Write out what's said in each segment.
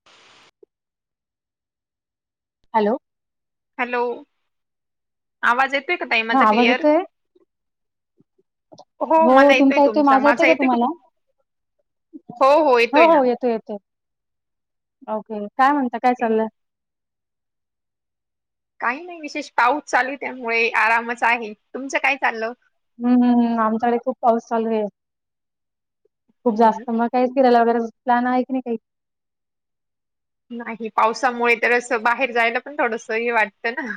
[inaudible] Hello hello आवाज येतोय का ताई हा माझा आवाज क्लिअर येतोय हो मला येतोय तुमचा माझा येतय का तुम हो हो येतोय ना. हो येतो येतो ओके काय म्हणता काय ए, चाललं काही नाही विशेष पाऊस चालू ये त्यामुळे आरामच आहे तुमचं काय चाललं. हम्मम आमच्याकडे खूप पाऊस चालू आहे खूप हम्म. जास्त मग काहीच फिरायला वगैर प्लॅन आहे की नाही काही नाही पावसामुळे तर असं बाहेर जायला पण थोडस हे वाटतं ना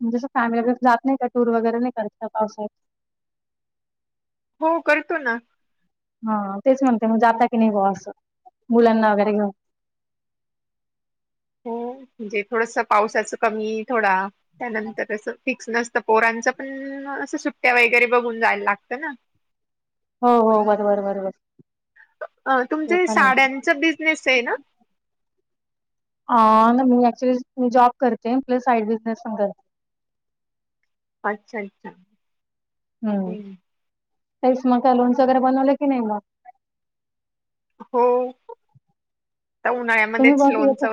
म्हणजेसं फॅमिलीकडे जात नाही का टूर वगैरे नाही करत पावसाळ्यात हो करतो ना हा तेच म्हणते मग जाता की नाही ब असं मुलांना वगैरे घेऊन हो म्हणजे थोडस पावसाचं कमी थोडा त्यानंतर असं फिक्स नसतं पोरांच पण असं सुट्ट्या वगैरे बघून जायला लागतं ना हो हो बरोबर बरोबर ते तुमचे पण आहे साड्यांचा बिझनेस आहे ना अ मी ऍक्च्युली मी जॉब करते प्लस साइड बिझनेस पण करते अच्छा अच्छा हम्म काच मग लोन्स वगैरे बनवलं की नाही मग हो, उन्हाळ्यात तुम्ही बस येत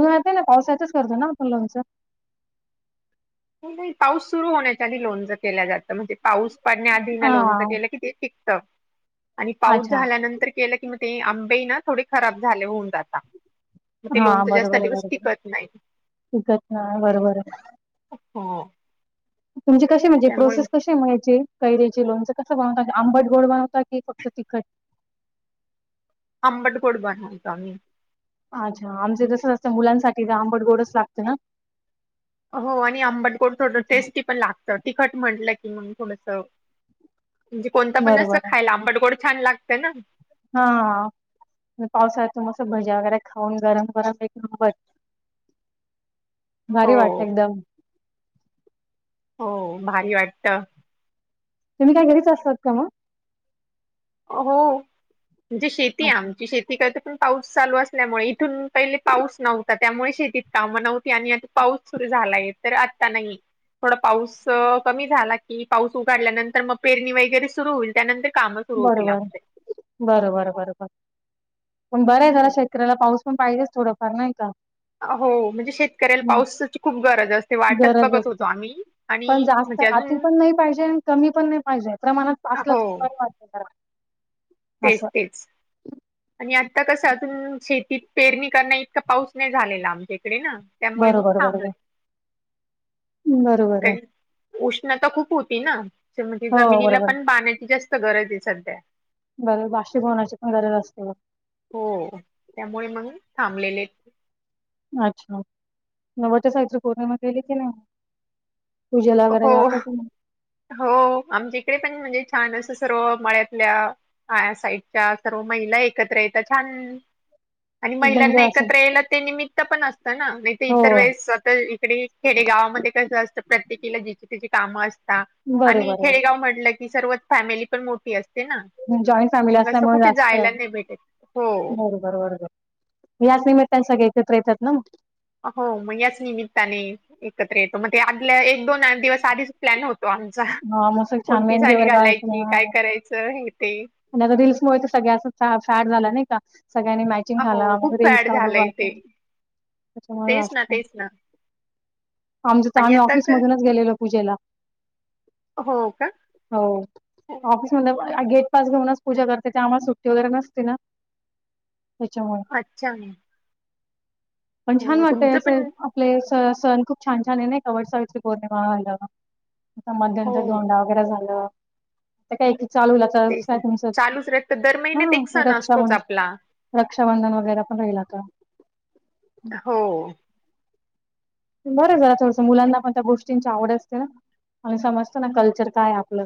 र आता ना पावसाातच करतो ना आपण लोनचं नाही पाऊस सुरू होण्याच्या आधी लोनच केल्या जातं म्हणजे पाऊस पडण्याआधी ना लोनचं हा केलं की तेिक आणि पाऊस अच्छा. झाल्यानंतर केलं की म ते आंबे ना थोडे खराब झाले होऊन जाता मग ते लोणचं जास्त दिवस टिकत नाही कच ना बरोबर आहे अ्छा तुमची कसे म्हणजे प्रोसेस कसे, म्हणायची कैरीचं लोणच कसं बनवतात आंबट गोड बनवता की फक्त तिखट आंबट गोड बनवता आणि अच्छा आमचे जसच असत मुलांसाठी आंबड गोडच लागते ना हो आणि आंबट गोड थोडं टेस्टी पण लागतं तिखट म्हटलं की मग थोडस म्हणजे कोणता पण असं बरोबर खायला आंबडगोड छान लागतं ना हा पावसाळमस भज्या वगैरे खाऊन गरम गरम एक नंबर हो भारी वाट एकदम हो भारी वाटत. तुम्ही काय घरी असत का मग. हो म्हणजे शेती अच्छा. आमची शेती तिक त पण पाऊस चालू असल्यामुळे इथून पहिले पाऊस नव्हता त्यामुळे शेतीत कामं नव्हती आणि आ. पाऊस सुरू झालाय तर आता नाही. थोडा पाऊस कमी झाला की पाऊस उघडल्यानंतर मग पेरणी वगैरे सुरू होईल त्यानंतर. कामं सुरू होतील बरोबर आमचे. बरोबर बरोबर पण बरं आहे जरा शेतकऱ्याला पाऊस पण पाहिजेच थोडंफार नाही का. हो म्हणजे शेतकऱ्याला मग पावसाची खूप गरज असते वाटच गरज बघत होतो असते आम्ही पण आणि जास्त म्हणजे अति अजून पण नाही पाहिजे आणि कमी पण नाही पाहिजे प्रमाणात पासलं हो बघपत तेच तेच आणि आत्ता कसं अजून शेतीत पेरणी करण इतका पाऊस नाही झालेला आमच्या इकडे ना त्यामुळे मी बरोबर सांब बरोबर बरोबर आहे कारण उष्णता खूप होती ना म्हणजे हो जमिनीला बरोबर पण बाण्याची जास्त गरज आहे सध्या बर बाशिक होण्याची पण गरज असते बघ हो त्यामुळे मग थांबलेले अच्छा नववच्या सायच पूर्णमध्ये गले की नाही पूजेला वगैरे हो गता क हो आमच्याकडे पण म्हणजे छान असं सर्व मळ्यातल्या हा साईडच्या सर्व महिला एकत्र येत छान आणि एकदम महिलांना एन्जॉय असेल एकत्र याला ते निमित्त पण असत ना नाही ते हो इतर वेळेस स्वत इकडे खेडे गावामध्ये कसं असतं प्रत्येक जिची त्याची काम असतात बरोबर आणि बरोबर खेडेगाव म्हटलं की सर्व फॅमिली पण मोठी असते ना जॉईंट फॅमिली मग असं असल्यामुळे कुठे जास्त जायला नाही भेटत हो बरोबर बर याच निमित्तान सगळे एकत्र येतात ना हो मग याच निमित्ताने एकत्र येतो मग ते आदल्या एक दोन दिवस आधीच प्लॅन होत तो आमचा हा मग असं छान कोणती मेहंदी साडी वगैरे काढायची घालायची काय करायचं हे ते आणि आता रीलल्समुळे सगळ्याच फॅड झाला नाही का सगळ्यांनी माहिती हो लाग खूप रेडू फॅड झालंय ते त्याच्यामुळे तेच ना असत तेच ना आम आणि आम्ही आता ऑफिस तर मधूनच गेलेलो पूजेला हो का हो हो. ऑफिस मध गेटपस घेऊनच पूजा करते त्या आम्हाला सुट्टी वगैरे नसते ना त्याच्यामुळे अच्छा म पण छान वाटतय असे पण आपले स सण खूप छान छान आहे नाही कवसा बोर्णेमा हो मध्यंत दोंडा वगैरे झालंता काय चालू लाग तेच ना चालूच राहत दर हा महिन्यात एक सण रक्षा असतोच म्हण आपला रक्षाबंधन वगैरे पण राहील आता हो बरं जरा थोडसं मुलांना पण त्या गोष्टींची आवड असते ना आणि समजतो ना कल्चर काय आपलं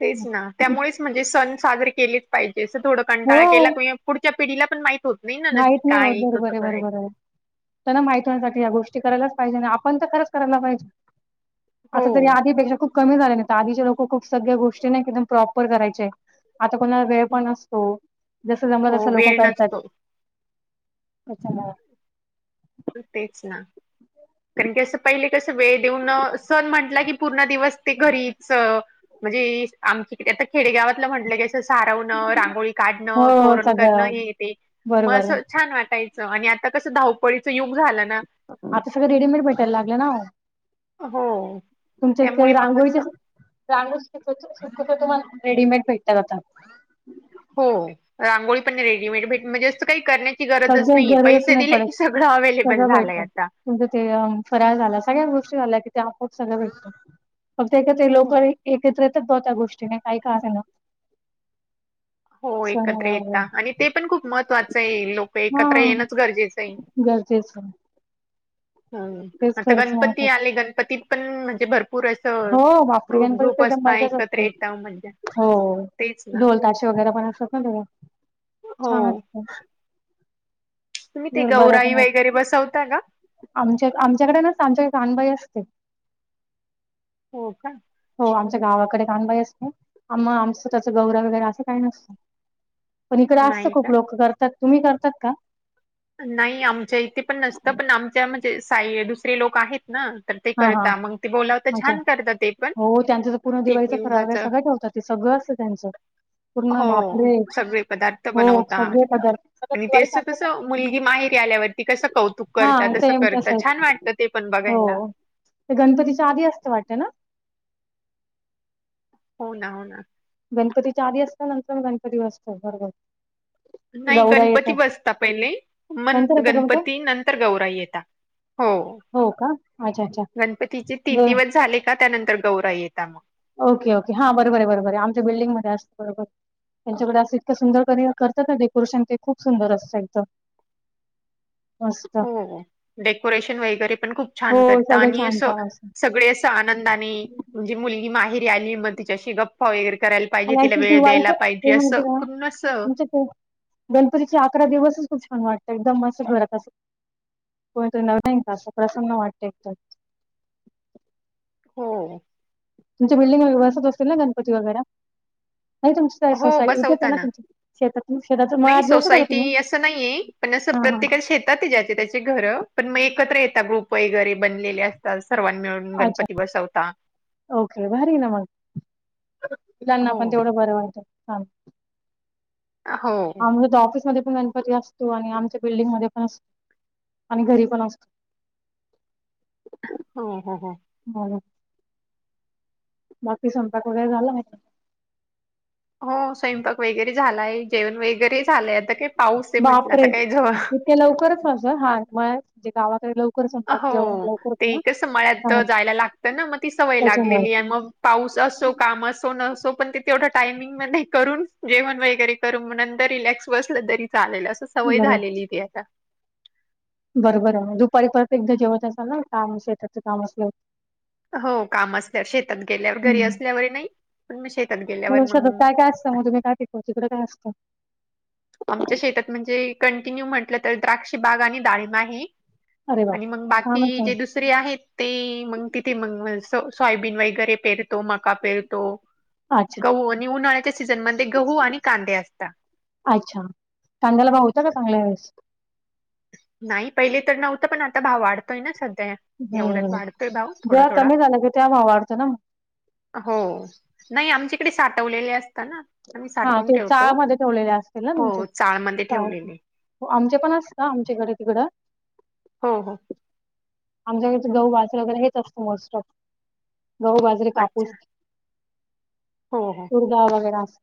तेच ना त्यामुळेच म्हणजे सण साजरे केलेच पाहिजे असं थोडं कंटाळा केला हो क पुढच्या पिढीला पण माहित होत नाही ना की माहित नाही होत काय बरोबर कसं आहे बरोबर करायचं आहे. त्यांना माहितीसाठी या गोष्टी करायलाच पाहिजे आणि आपण तर खरंच करायला पाहिजे आता तरी हो आधीपेक्षा खूप कमी झाल्या नाही तर आधीचे लोक खूप सगळ्या गोष्टी नाही एकदम प्रॉपर करायचे आता कोणाला वेळ पण असतो जस जमला जस हो लोक वेळ करतात नसतो अचछ ना तेच ना कारण की, असं पहिले कसं वेळ देऊन सण म्हटला की, पूर्ण दिवस ते घरीच म्हणजे आमच्याकडं आता खेडेगावातलं म्हटलं की असं सारवणं, रांगोळी काढण, हो तोरण करणं सगळं हे येते, मग बरोबर अस छान वाटायचं, आणि आता कसं धावपळीचं युग झालं ना आता सगळं रेडीमेड भेटायला लागलं ना. हो. तुमच्या इकडे त्यामुळे मग रांगोळीचे, असं रांगोळी सुद्धा तुम्हाला रेडीमेड भेटतात आता. हो रांगोळी पण रेडीमेड भेट म्हणजे असं काही करण्या ची गरजच सगळे नाहीये गरज पैसे नाही दिले की सगळं अवे्लेबल झालंय आता. म्हणज ते फराळ झाला, सगळ्या गोष्टी झाल्या कि ते आपोआप सगळं भेटत. फक्त एकदा ते लोक हो एकत्र येतात त्या गोष्टी काही का आणायला. हो एकत्र येता, आणि ते पण खूप महत्त्वाचं आहे. लोक एकत्र येणंच गरजेचं आहे. गरजेच ह आता महत्व गणपती आले, गणपतीत पण म्हणजे भरपूर अस हो बापरे ग्रुप गणपतीत ग्रुप तर एकदम असता मजाच एकत्र असते येतावं म्हणजे. हो तेच ना ढोल ताशे वगैरे पण असतात ना तेव्हा, छान हो. असतं. तुम्ही ते बर बरं गौराई पण वाटतं वगैरे बसवता का? आमच्या आमच्याकडे नाच आमच्या कानबाई असते. हो का? हो आमच्या गावाकडे कानबाई असते म आमचं त्याचं गौरा वगैरे असं काही नसतं पण इकडे असत नाही खूप का? लोक करतात, तुम्ही करतात का? नाही, आमच्या इथे पण नसतं. पण आमच्या म्हणजे साई दुसरे लोक आहेत. ना तर ते हा हा करता. मग ते बोलावता. अच्छा छान करता ते पण. हो त्यांचं तर पूर्ण तीन दिवाळीचा फराळ दिवसाच. वगैरे सगळं ठेवतात ते सगळं असंत त्यांचं. पूर्ण, हो बापरे! सगळे पदार्थ हो बनवता सगळे पदार्थ आणि ते असं कसं मुलगी माहेरी आल्यावरती कसं कौतुक हा करता? तसं सेम करता, तसंच छान वाटतं ते पण हो. बघायला. ते गणपतीच्या आधी असत वाटते ना? हो ना. हो ना. गणपतीच्या आधी असतं. नंतर म गणपती बसतो. बरोबर. नाही गौराई गणपती येतात. बसता पहिले. नंतर मग येतं का ते? गणपती नंतर गौराई येता. हो. हो का? अच्छा, अच्छा. गणपतीचे तीन ग दिवस झाले का त्यानंतर गौराई येता मग. Okay okay. हां बरोबर, बरोबर. आमच्या बल्डिंगमध्ये असतं, त्यांच्याकडे असे सुंदर कधी करतात का डेकोरेशन. ते खूप सुंदर असत त्यांचं. हो. डेकोरेशन वगैरे पण खूप हो, छान करता सगळं आणि छान अस छान असतं. सगळे असं - आनंदाने. म्हणजे मुलगी माहेरी आली मग तिच्याशी गप् पा वगैरे करायला पाहिजे. मला तिला ॲक्चुअली वेळ द्यायला दिवाळीचं पाहिजे ते म्हणते असं ना करून असं तुमचे ते गणपतीचे अकरा दिवसच खूप छान वाटत. एकदम मस्त घरात असं कोणीतरी नवीन का? असं प्रसन्न वाटत तर हो. तुमच्या बिल्डिगमध्ये वगैरे बसत असतील ना गणपती वगैरे? नाही तुमच हो सोसा इथेच आहे बसवता ना? तुमचे शेता शेताचे नाही माळात बसवता का तुम्ही? सोसायटी असं नाहीये पण असं हा प्रत्येका हा शेतात ज्याची त्याची घरं, पण मग एकत्र येता ग्रुप वगैरे. बनलेले असतात. सर्वां मिळून अच्छा गणपती बसवता. ओके. भारिय ना मग. त्यांना हो पण हो. तेवढं बरं वाटतं. हो, आमच्या तर ऑफिसमध्ये पण गणपती असतो आणि आमच्या बिल्डिंग मध्ये पण असतो आणि घरी पण असतो. [inaudible] हो हो हो. [unintelligible] बाकी स्वयंपाक वगैरे झाला ना? हो स्वयंपाक वगैरे झालाय. जेवण वगैरे झालंय. आता काय पाऊस आहे म्हटलं आता काही ज- ते लवकरच असं हाे गावाकडे लवकर- स्वयंपाक जेवण हो. लवकर ते होतं ना कस मळ्यात हा जायला लागतं ना? मग ती सवय त्याच्यामुळे लागलेलीए मग- पाऊस असो. काम असो नसो. पण ते तेवढ टायमिंग मधे करून जेवण वगैरे- तर नंतर रिलॅक्स बसलं तरी चालेल. अस सवय बरोबर झालेलीए ती आता. बरोबर आहे. दुपारी परत एकदा जेवत असाल ना? काम शेताचं काम अस हो- हो काम असल्यावर. शेतात गेल्यावर घरी हम्म. असल्यावर नाही. पण मग शेतात गेल्यावर मंग - [unintelligible] हो तिकडे काय असतं? आमच्या शेतात म्हणजे? कंटिन्यू म्हटलं तर द्राक्ष बाग आणि डाळिंब आहे. अरे बाप! आणि मग बाकी छानच जे आहे. दुसर- रे आहेत ते. मग तिथे मग सोयाबीन वगैरे पेरतो, मका पेरतो- अच्छा, गहू आणि उन्हाळ्याच्या सीझनमध्ये गहू आणि कांदे असतात. अच्छा. कांद्याला भाव होता का चांगला यावेळेस? नाही पहिले तर नव्हता. पण आता भाव वाढतोय ना सध्या. एवढ्यात हम्. वाढतोय भाव थोडा जेव्हा थोडा कमी झाला का? तेव्हा भाव वाढतो ना मग? हो. नाही आमच्याकडे साठवलेले असता ना? आम्ही हा. साठवून ते ठेवतो. चाळमध्ये ठेवलेले असतील ना तुमचे? हो चाळमध्ये ठेवलेले चाळ- आमचे पण असता. आमच्याकडे तिकडं. हो. हो. आमच्याकडचे गहू बाजरे वगैरे हेच असतं मोस्ट ऑफ. गहू, बाजरे, अच्छा कापूस. हो हो गुरगा वगैरे अस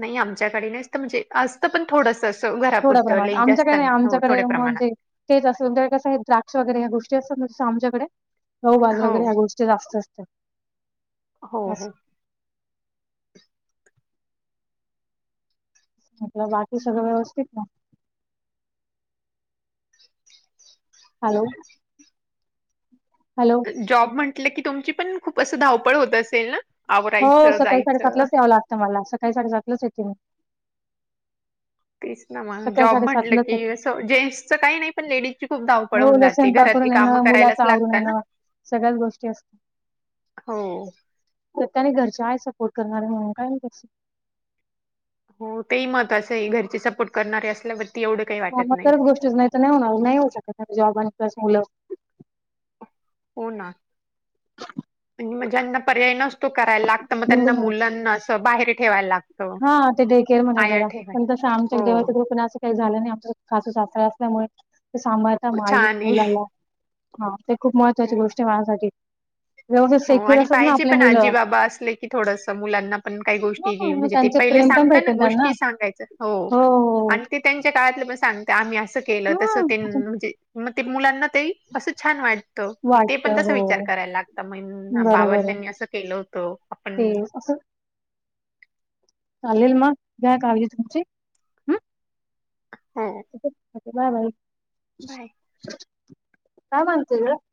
नाही आमच्याकडे [unintelligible] पण थोडस असं थोड्या घरापुरतं प्रमाणात. लई जास्त आमच्याकडे नाही. हो आमच्याकडे थोड्या प्रमाणात. म्हणजे तेच असल कसं आहे द्राक्ष वगैरे ह्या गोष्टी असत आमच्याकडे गहऊ बाज हो वगैरे ह्या गोष्टी जास्त असत. हो हो. म्हलं बाकी सगळं व्यवस्थित ना? हॅलो. हॅलो. जॉब म्हंटलं की तुमची पण खूप असं धावपळ होत असेल ना? हो आवरायचं सकाळी जायचं साडेसातलाच यावं लागतं मला. सकाळी साडेसातलाच येते मी. तेच ना मग सकाळी जॉब म्हटलं येते. की असं जेंट्सचं काही नाही पण, लेडीज ची खूप धाव हो, पळवून ल जात स्वयंपाक करून येणं, मुलाच आवरून येणं सगळ्याच गोष्टी असतात. हो. [unintelligible] हो तेही महत्वाचं आहे घरची सपोर्ट करणारे असल्यावरती एवढं काही ह वाटत मग नाही तरच गोष्टीच नाही तर नाही होणार नाही. होऊ शकत नाही जॉबांस मुलं हो ना म ज्यांना पर्याय नस तो करायला लागत मग त्यांना मुलांनाच बाहेर ठेवाय लाग लागतं हा ते डेकेर मध्ये आया वगैरे हो पण छान आहे [unintelligible] [unintelligible] हा ते खूप महत्त्वाची हो गोष्ट आहे माझ्यासाठी व्यवस्थित हो सेक्युअर आणि असतात ना पाहिजे आपले पण आजी मुलं. बाबा असले की थोडस मुलांना पण काही हां, गोष्टी मग म्हणजे ते त्यांचं पहि प्रेम पण सांगता ना भेटेल त्यांना. गोष्टी सांगायच हो आणि ते त्यांच्या काळातलं मग सांगते आम्ही असं केलं हा तस तेंन म्हणजे मग ते मुलांना ते असं छान वाटत. म ते पण वाटत तसा हो विचार करायला लागत मग बरोबर आहे बाबांनी असं केलं होतं आपण ते असं चालेल मग, घ्या काळजी तुमची. हम्म [unintelligible] बाय. [unintelligible]